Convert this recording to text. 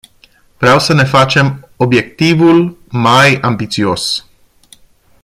Vreau să ne facem obiectivul mai ambițios.